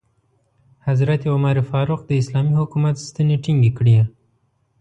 حضرت عمر فاروق د اسلامي حکومت ستنې ټینګې کړې.